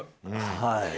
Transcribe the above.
はい。